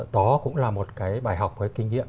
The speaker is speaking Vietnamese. đó cũng là một cái bài học cái kinh nghiệm